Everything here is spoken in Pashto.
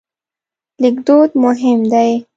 لیکدود مهم دی.